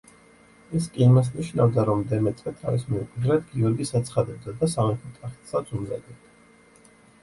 ეს კი იმას ნიშნავდა, რომ დემეტრე თავის მემკვიდრედ გიორგის აცხადებდა და სამეფო ტახტსაც უმზადებდა.